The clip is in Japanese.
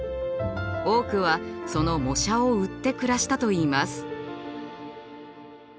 多くはその模写を売って暮らしたといいます。